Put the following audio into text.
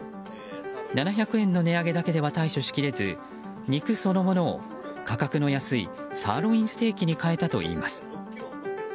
７００円の値上げだけでは対処しきれず肉そのものを価格の安いサーロインステーキに変えたといいます。